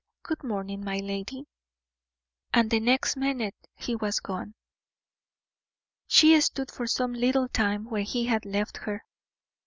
"Good morning, my lady." And the next minute he was gone. She stood for some little time where he had left her.